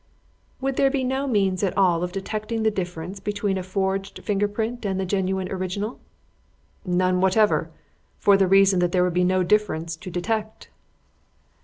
"Would there be no means at all of detecting the difference between a forged finger print and the genuine original?" "None whatever; for the reason that there would be no difference to detect."